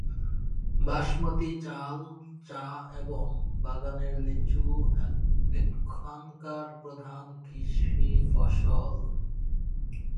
বাসমতী চাল, চা এবং বাগানের লিচু এখানকার প্রধান কৃষি ফসল।